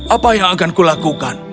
apa yang akan kulakukan